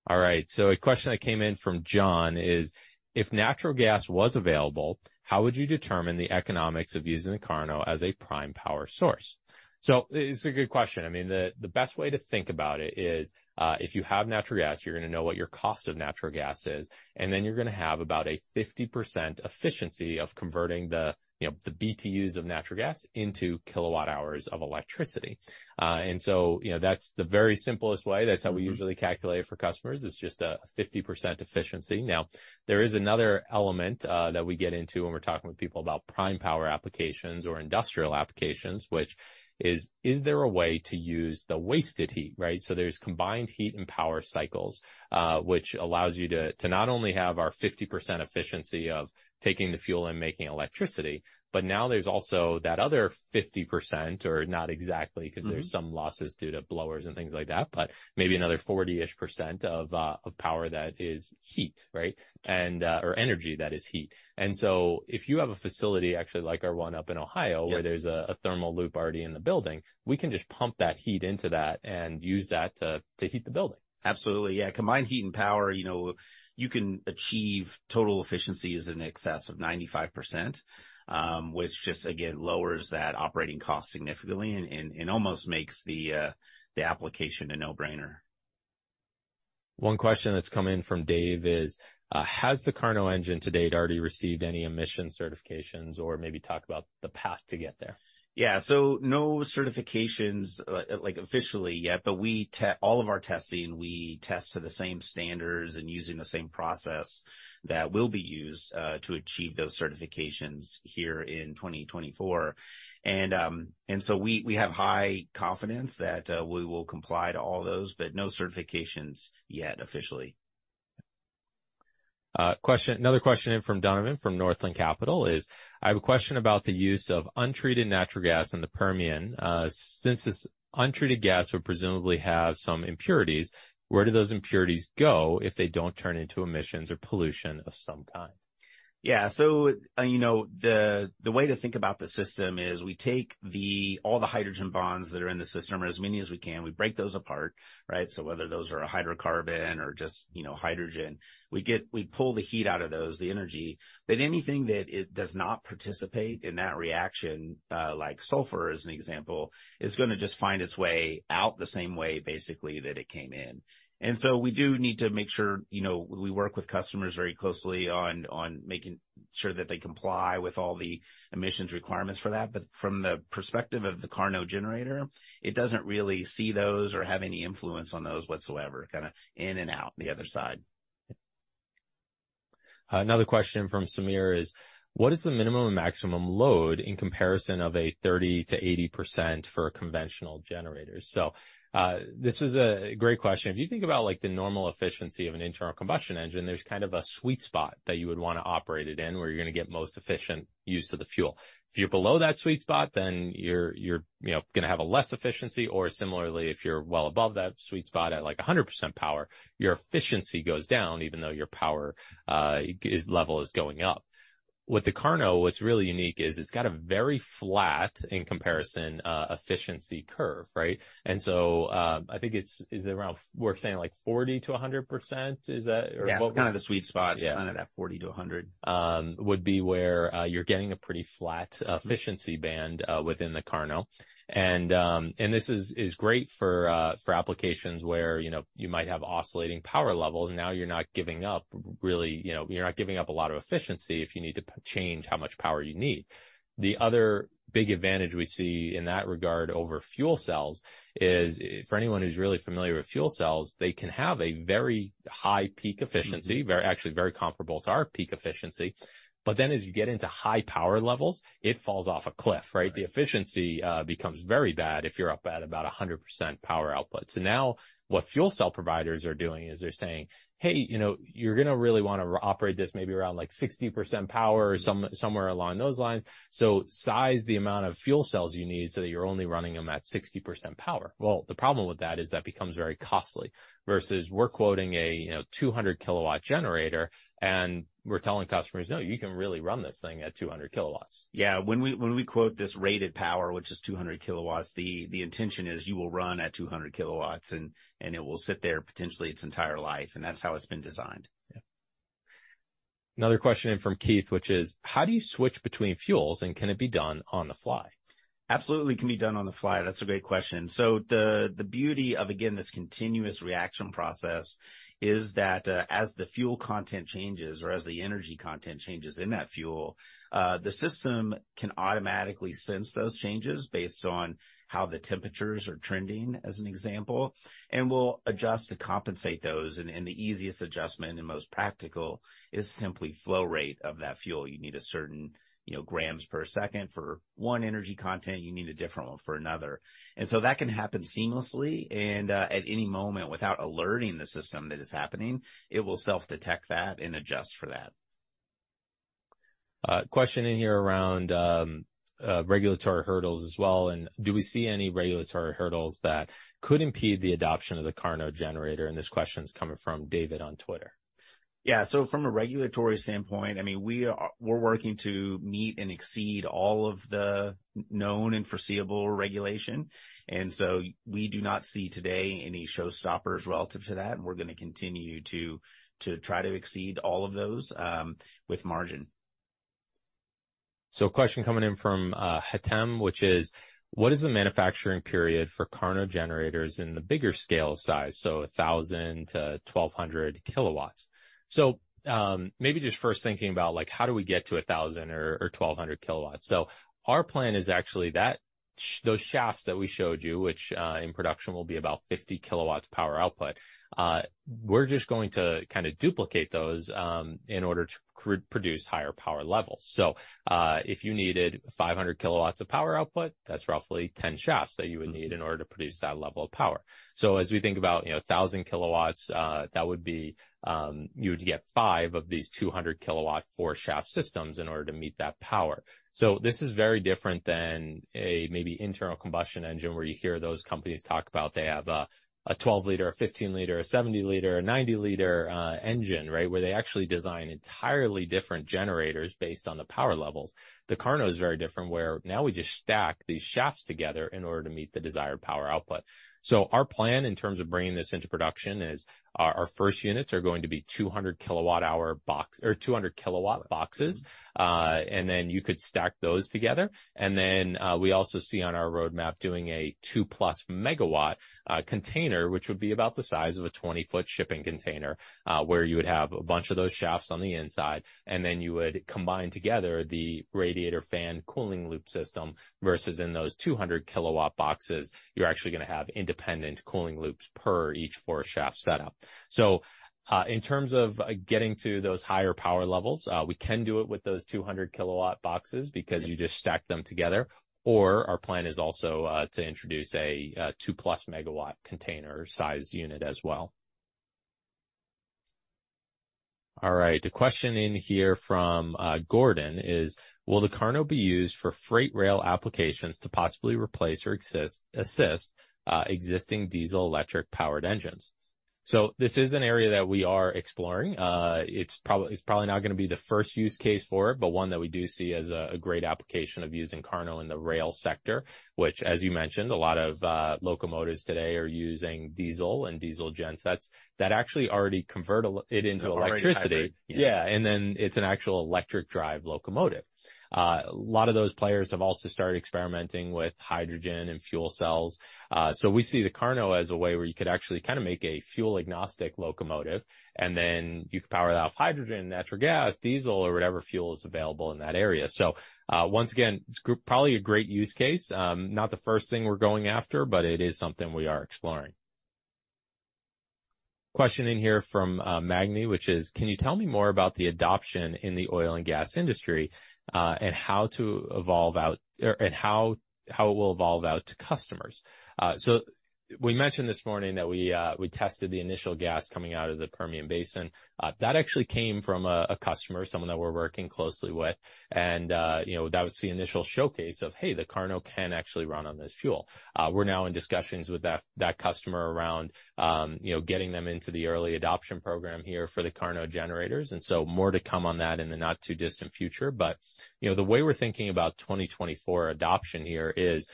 All right, so a question that came in from John is: If natural gas was available, how would you determine the economics of using the KARNO as a prime power source? So it's a good question. I mean, the best way to think about it is, if you have natural gas, you're gonna know what your cost of natural gas is, and then you're gonna have about a 50% efficiency of converting the, you know, the BTUs of natural gas into kilowatt hours of electricity. And so, you know, that's the very simplest way. Mm-hmm. That's how we usually calculate it for customers. It's just a 50% efficiency. Now, there is another element that we get into when we're talking with people about prime power applications or industrial applications, which is: Is there a way to use the wasted heat, right? So there's combined heat and power cycles, which allows you to not only have our 50% efficiency of taking the fuel and making electricity, but now there's also that other 50%, or not exactly Mm-hmm because there's some losses due to blowers and things like that, but maybe another 40-ish% of, of power that is heat, right? And, or energy that is heat. And so if you have a facility actually like our one up in Ohio Yeah where there's a thermal loop already in the building, we can just pump that heat into that and use that to heat the building. Absolutely. Yeah, Combined Heat and Power, you know, you can achieve total efficiencies in excess of 95%, which just again lowers that operating cost significantly and almost makes the application a no-brainer. One question that's come in from Dave is: Has the KARNO engine to date already received any emission certifications? Or maybe talk about the path to get there. Yeah. So no certifications, like, officially yet, but all of our testing, we test to the same standards and using the same process that will be used to achieve those certifications here in 2024. And so we have high confidence that we will comply to all those, but no certifications yet officially. Question, another question in from Donovan, from Northland Capital, is: I have a question about the use of untreated natural gas in the Permian. Since this untreated gas would presumably have some impurities, where do those impurities go if they don't turn into emissions or pollution of some kind? Yeah, so, you know, the way to think about the system is we take all the hydrogen bonds that are in the system, or as many as we can, we break those apart, right? So whether those are a hydrocarbon or just, you know, hydrogen, we pull the heat out of those, the energy. But anything that it does not participate in that reaction, like sulfur, as an example, is gonna just find its way out the same way basically that it came in. And so we do need to make sure, you know, we work with customers very closely on making sure that they comply with all the emissions requirements for that. But from the perspective of the KARNO generator, it doesn't really see those or have any influence on those whatsoever, kinda in and out the other side. Another question from Samir is: What is the minimum and maximum load in comparison of a 30%-80% for a conventional generator? So, this is a great question. If you think about, like, the normal efficiency of an internal combustion engine, there's kind of a sweet spot that you would wanna operate it in, where you're gonna get most efficient use of the fuel. If you're below that sweet spot, then you're you know gonna have a less efficiency or similarly, if you're well above that sweet spot at, like, 100% power, your efficiency goes down, even though your power level is going up. With the KARNO, what's really unique is it's got a very flat, in comparison, efficiency curve, right? And so, I think it's around, we're saying, like, 40%-100%. Is that or what? Yeah, kind of the sweet spot- Yeah. -is kind of that 40-100%. would be where you're getting a pretty flat efficiency band within the KARNO. And this is great for applications where, you know, you might have oscillating power levels, and now you're not giving up really, you know, you're not giving up a lot of efficiency if you need to change how much power you need. The other big advantage we see in that regard over fuel cells is, for anyone who's really familiar with fuel cells, they can have a very high peak efficiency. Mm-hmm. Very, actually very comparable to our peak efficiency. But then, as you get into high power levels, it falls off a cliff, right? Right. The efficiency becomes very bad if you're up at about 100% power output. So now what fuel cell providers are doing is they're saying, "Hey, you know, you're gonna really wanna operate this maybe around, like, 60% power or somewhere along those lines. So size the amount of fuel cells you need so that you're only running them at 60% power." Well, the problem with that is that becomes very costly, versus we're quoting a, you know, 200-kilowatt generator, and we're telling customers, "No, you can really run this thing at 200 kilowatts. Yeah. When we quote this rated power, which is 200 kW, the intention is you will run at 200 kW, and it will sit there potentially its entire life, and that's how it's been designed. Yeah. Another question in from Keith, which is: How do you switch between fuels, and can it be done on the fly? Absolutely can be done on the fly. That's a great question. So the beauty of, again, this continuous reaction process is that as the fuel content changes or as the energy content changes in that fuel, the system can automatically sense those changes based on how the temperatures are trending, as an example, and will adjust to compensate those, and the easiest adjustment and most practical is simply flow rate of that fuel. You need a certain, you know, grams per second for one energy content, you need a different one for another. And so that can happen seamlessly, and at any moment, without alerting the system that it's happening, it will self-detect that and adjust for that. Question in here around regulatory hurdles as well, and do we see any regulatory hurdles that could impede the adoption of the KARNO generator? This question is coming from David on Twitter. Yeah. So from a regulatory standpoint, I mean, we're working to meet and exceed all of the known and foreseeable regulation, and so we do not see today any showstoppers relative to that. We're gonna continue to try to exceed all of those, with margin. So a question coming in from Hatem, which is: What is the manufacturing period for KARNO generators in the bigger scale size, so 1,000-1,200 kilowatts? So, maybe just first thinking about, like, how do we get to 1,000 or twelve hundred kilowatts? So our plan is actually that, those shafts that we showed you, which, in production will be about 50 kilowatts power output, we're just going to kind of duplicate those, in order to produce higher power levels. So, if you needed 500 kilowatts of power output, that's roughly 10 shafts that you would need in order to produce that level of power. So as we think about, you know, 1,000 kilowatts, that would be, you would get five of these 200-kilowatt four-shaft systems in order to meet that power. So this is very different than a maybe internal combustion engine, where you hear those companies talk about they have a, a 12-liter, a 15-liter, a 70-liter, a 90-liter, engine, right? Where they actually design entirely different generators based on the power levels. The KARNO is very different, where now we just stack these shafts together in order to meet the desired power output. So our plan, in terms of bringing this into production, is our first units are going to be 200 kilowatt hour box or 200 kilowatt boxes. And then you could stack those together, and then we also see on our roadmap doing a 2+ MW container, which would be about the size of a 20-foot shipping container, where you would have a bunch of those shafts on the inside, and then you would combine together the radiator fan cooling loop system, versus in those 200-kW boxes, you're actually gonna have independent cooling loops per each 4-shaft setup. So, in terms of getting to those higher power levels, we can do it with those 200-kW boxes because you just stack them together, or our plan is also to introduce a 2+ MW container size unit as well. All right. A question in here from Gordon is: Will the KARNO be used for freight rail applications to possibly replace or exist, assist existing diesel-electric powered engines? So this is an area that we are exploring. It's probably, it's probably not gonna be the first use case for it, but one that we do see as a great application of using KARNO in the rail sector, which, as you mentioned, a lot of locomotives today are using diesel and diesel gensets that actually already convert it into electricity. Already hybrid. Yeah, and then it's an actual electric drive locomotive. A lot of those players have also started experimenting with hydrogen and fuel cells. So we see the KARNO as a way where you could actually kind of make a fuel-agnostic locomotive, and then you could power that off hydrogen, natural gas, diesel, or whatever fuel is available in that area. So, once again, it's probably a great use case. Not the first thing we're going after, but it is something we are exploring. Question in here from Magni, which is: Can you tell me more about the adoption in the oil and gas industry, and how it will evolve out to customers? So we mentioned this morning that we tested the initial gas coming out of the Permian Basin. That actually came from a customer, someone that we're working closely with, and you know, that was the initial showcase of, hey, the KARNO can actually run on this fuel. We're now in discussions with that customer around you know, getting them into the early adoption program here for the KARNO generators, and so more to come on that in the not-too-distant future. But you know, the way we're thinking about 2024 adoption here is,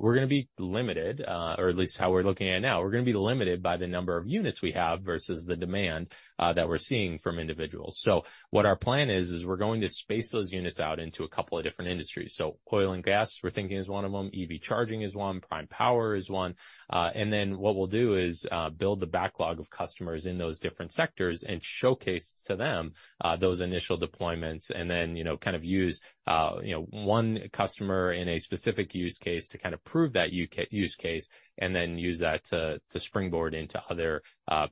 we're gonna be limited, or at least how we're looking at it now, we're gonna be limited by the number of units we have versus the demand that we're seeing from individuals. So what our plan is, we're going to space those units out into a couple of different industries. So oil and gas, we're thinking, is one of them, EV charging is one, prime power is one, and then what we'll do is, build the backlog of customers in those different sectors and showcase to them, those initial deployments and then, you know, kind of use, you know, one customer in a specific use case to kind of prove that use case, and then use that to, to springboard into other,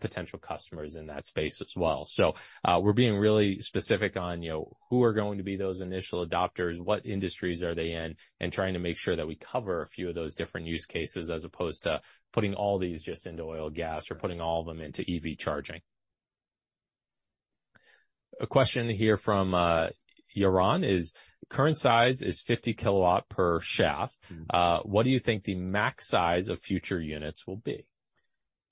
potential customers in that space as well. So, we're being really specific on, you know, who are going to be those initial adopters, what industries are they in, and trying to make sure that we cover a few of those different use cases, as opposed to putting all these just into oil and gas or putting all of them into EV charging. A question here from Yaron is: Current size is 50 kW per shaft. Mm-hmm. What do you think the max size of future units will be?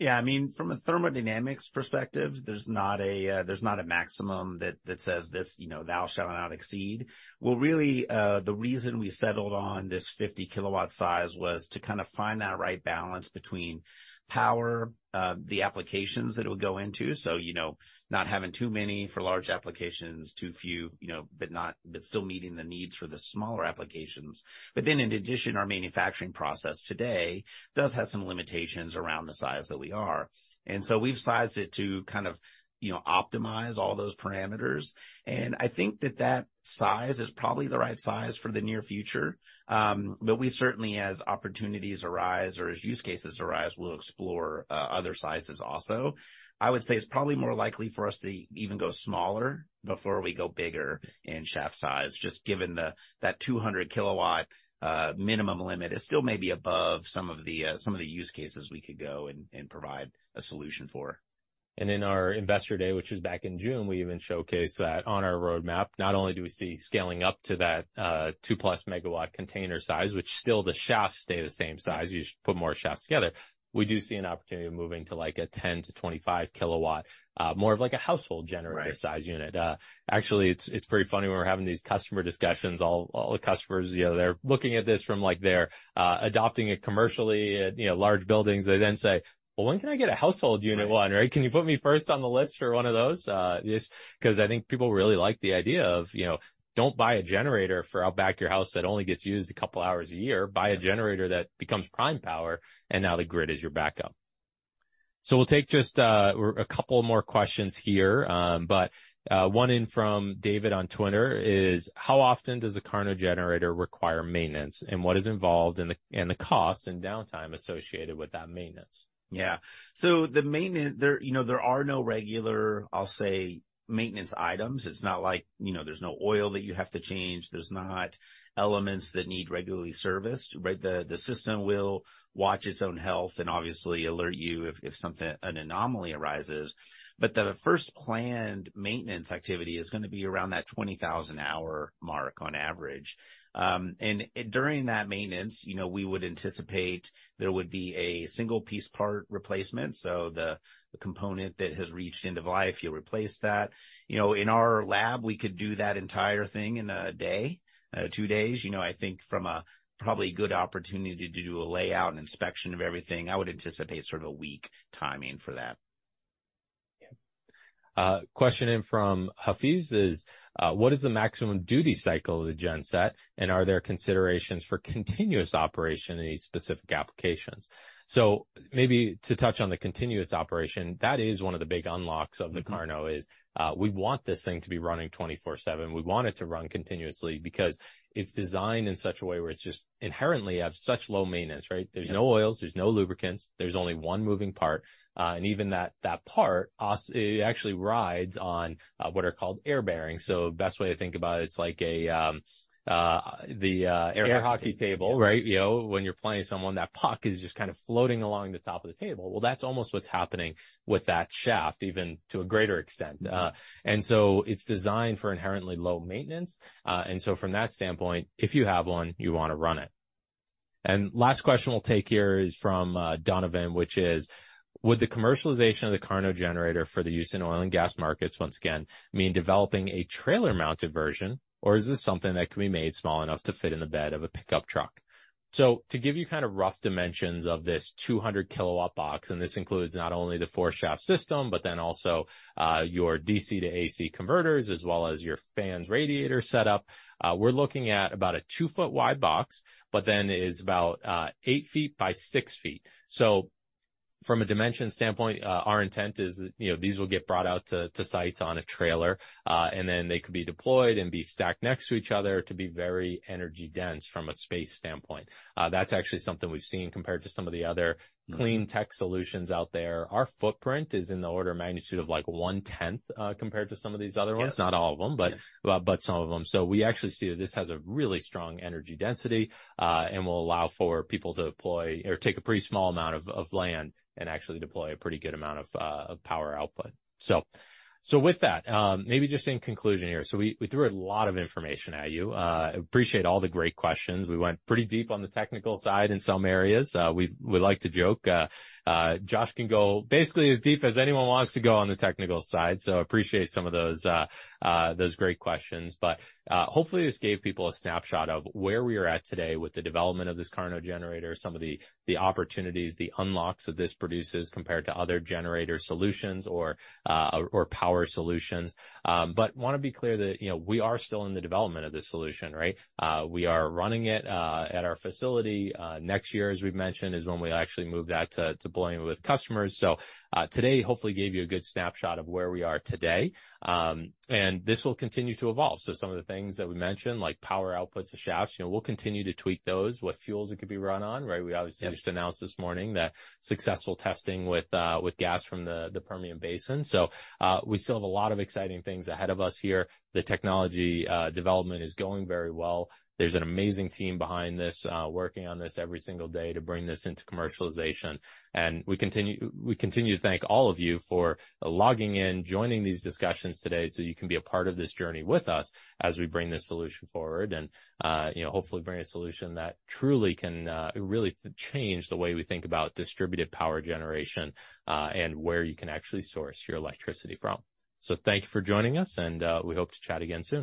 Yeah, I mean, from a thermodynamics perspective, there's not a maximum that says this, you know, thou shall not exceed. Well, really, the reason we settled on this 50-kilowatt size was to kind of find that right balance between power, the applications that it would go into. So, you know, not having too many for large applications, too few, you know, but not—but still meeting the needs for the smaller applications. But then in addition, our manufacturing process today does have some limitations around the size that we are, and so we've sized it to kind of, you know, optimize all those parameters. And I think that that size is probably the right size for the near future. But we certainly, as opportunities arise or as use cases arise, we'll explore other sizes also. I would say it's probably more likely for us to even go smaller before we go bigger in shaft size, just given the, that 200-kW minimum limit is still maybe above some of the, some of the use cases we could go and, and provide a solution for. And in our Investor Day, which was back in June, we even showcased that on our roadmap, not only do we see scaling up to that, 2+ MW container size, which still the shafts stay the same size, you just put more shafts together. We do see an opportunity of moving to, like, a 10-25 kW, more of like a household generator Right. size unit. Actually, it's pretty funny when we're having these customer discussions, all the customers, you know, they're looking at this from, like, they're adopting it commercially at, you know, large buildings. They then say, "Well, when can I get a household unit one, right? Can you put me first on the list for one of those?" Just 'cause I think people really like the idea of, you know, don't buy a generator for outback your house that only gets used a couple hours a year. Buy a generator that becomes prime power, and now the grid is your backup. So we'll take just a couple more questions here. But one in from David on Twitter is: How often does the KARNO generator require maintenance, and what is involved and the cost and downtime associated with that maintenance? Yeah. So the maintenance, there, you know, there are no regular, I'll say, maintenance items. It's not like, you know, there's no oil that you have to change. There's not elements that need regularly serviced, right? The system will watch its own health and obviously alert you if something, an anomaly arises. But the first planned maintenance activity is gonna be around that 20,000-hour mark on average. And during that maintenance, you know, we would anticipate there would be a single-piece part replacement, so the component that has reached end of life, you'll replace that. You know, in our lab, we could do that entire thing in a day, two days. You know, I think from a probably good opportunity to do a layout and inspection of everything, I would anticipate sort of a week timing for that. Yeah. Question in from Hafiz is: What is the maximum duty cycle of the genset, and are there considerations for continuous operation in these specific applications? So maybe to touch on the continuous operation, that is one of the big unlocks of the Mm-hmm. KARNO is, we want this thing to be running 24/7. We want it to run continuously because it's designed in such a way where it's just inherently have such low maintenance, right? Yeah. There's no oils, there's no lubricants, there's only one moving part, and even that, that part also. It actually rides on what are called air bearings. So best way to think about it, it's like a, the- Air hockey. Air hockey table, right? You know, when you're playing someone, that puck is just kind of floating along the top of the table. Well, that's almost what's happening with that shaft, even to a greater extent. Mm-hmm. And so it's designed for inherently low maintenance. And so from that standpoint, if you have one, you wanna run it. And last question we'll take here is from Donovan, which is: Would the commercialization of the KARNO generator for the use in oil and gas markets, once again, mean developing a trailer-mounted version, or is this something that can be made small enough to fit in the bed of a pickup truck? So to give you kind of rough dimensions of this 200-kW box, and this includes not only the 4-shaft system, but then also your DC to AC converters, as well as your fans, radiator setup, we're looking at about a 2-foot wide box, but then it is about 8 ft by 6 ft. From a dimension standpoint, our intent is that, you know, these will get brought out to sites on a trailer, and then they could be deployed and be stacked next to each other to be very energy-dense from a space standpoint. That's actually something we've seen compared to some of the other Mm-hmm. clean tech solutions out there. Our footprint is in the order of magnitude of, like, one-tenth compared to some of these other ones. Yeah. Not all of them- Yeah But some of them. So we actually see that this has a really strong energy density, and will allow for people to deploy or take a pretty small amount of land and actually deploy a pretty good amount of power output. So with that, maybe just in conclusion here, so we threw a lot of information at you. Appreciate all the great questions. We went pretty deep on the technical side in some areas. We like to joke, Josh can go basically as deep as anyone wants to go on the technical side, so appreciate some of those great questions. But hopefully, this gave people a snapshot of where we are at today with the development of this KARNO generator, some of the, the opportunities, the unlocks that this produces compared to other generator solutions or, or power solutions. But wanna be clear that, you know, we are still in the development of this solution, right? We are running it, at our facility. Next year, as we've mentioned, is when we actually move that to, deploying it with customers. So, today hopefully gave you a good snapshot of where we are today. And this will continue to evolve. So some of the things that we mentioned, like power outputs of shafts, you know, we'll continue to tweak those. What fuels it could be run on, right? Yeah. We obviously just announced this morning that successful testing with gas from the Permian Basin. So, we still have a lot of exciting things ahead of us here. The technology development is going very well. There's an amazing team behind this, working on this every single day to bring this into commercialization. And we continue to thank all of you for logging in, joining these discussions today, so you can be a part of this journey with us as we bring this solution forward. And, you know, hopefully bring a solution that truly can really change the way we think about distributed power generation, and where you can actually source your electricity from. So thank you for joining us, and we hope to chat again soon.